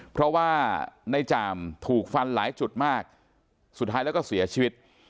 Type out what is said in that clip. เพราะว่าในจามถูกฟันหลายจุดมากสุดท้ายแล้วก็เสียชีวิต